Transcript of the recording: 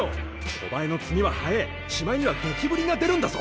小バエの次はハエしまいにはゴキブリが出るんだぞ！